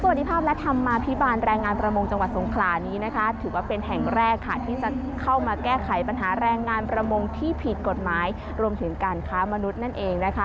สวัสดีภาพและธรรมาภิบาลแรงงานประมงจังหวัดสงขลานี้นะคะถือว่าเป็นแห่งแรกค่ะที่จะเข้ามาแก้ไขปัญหาแรงงานประมงที่ผิดกฎหมายรวมถึงการค้ามนุษย์นั่นเองนะคะ